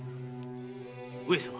上様。